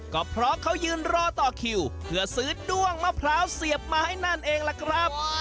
ก็เพราะเขายืนรอต่อคิวเพื่อซื้อด้วงมะพร้าวเสียบมาให้นั่นเองล่ะครับ